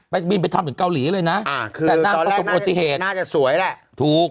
ไปบินไปทำถึงเกาหลีเลยนะอ่าคือตอนแรกน่าจะสวยแหละถูก